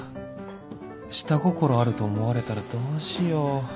下心あると思われたらどうしよう